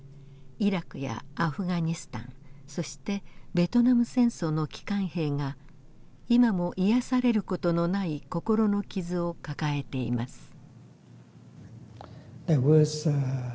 イラクやアフガニスタンそしてベトナム戦争の帰還兵が今も癒やされる事のない心の傷を抱えています。